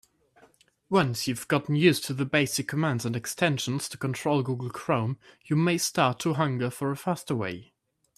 Once you've gotten used to the basic commands and extensions to control Google Chrome, you may start to hunger for a faster way.